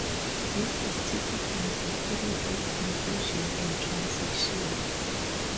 This is typically a period of confusion and transition.